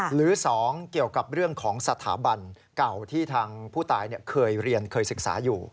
หรือ๒เกี่ยวกับเรื่องของสถาบันเก่าที่ทางผู้ตายเคยเรียนเคยศึกษาอยู่